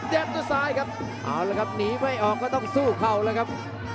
แต๊ดด้วยทรายครับหนีไม่ออกก็ต้องสู้เขาเลยครับ